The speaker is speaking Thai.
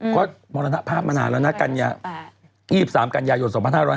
ก็มรณภาพมานานแล้วนะกัญญา๒๓กัญญายม๒๕๕๘